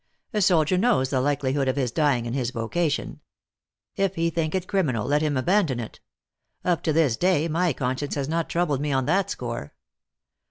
A soldier knows the likelihood of his dying in his vocation. If he think^ t criminal, let him abandon it. Up to this day my conscience has not troubled me on that score.